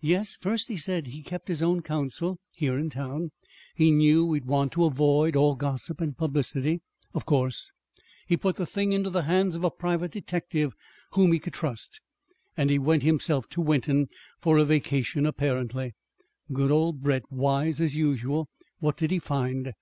"Yes. First, he said, he kept his own counsel here in town. He knew we'd want to avoid all gossip and publicity." "Of course!" "He put the thing into the hands of a private detective whom he could trust; and he went himself to Wenton for a vacation, apparently." "Good old Brett! Wise, as usual. What did he find?"